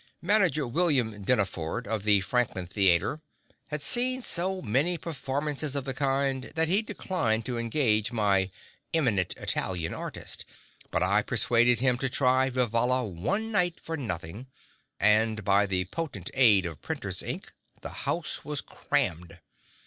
Manager William Dinneford, of the Franklin Theatre, had seen so many performances of the kind that he declined to engage my "eminent Italian artist"; but I persuaded him to try Vivalla one night for nothing and by the potent aid of printer's ink the house was crammed.